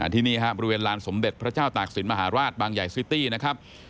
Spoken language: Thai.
ที่นี่ฮะบริเวณลานสมเด็จพระเจ้าตากศิลปมหาราชบางใหญ่ซิตี้นะครับ